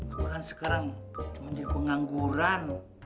aku kan sekarang cuma jadi pengangguran